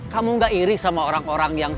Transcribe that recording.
kamu gak iri sama orang orang yang